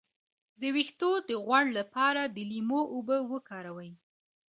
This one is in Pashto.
د ویښتو د غوړ لپاره د لیمو اوبه وکاروئ